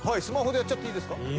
スマホでやっていいですか？